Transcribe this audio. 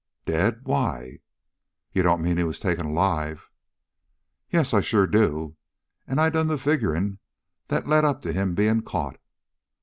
"Dead? Why?" "You don't mean he was taken alive?" "Yes, I sure do! And I done the figuring that led up to him being caught."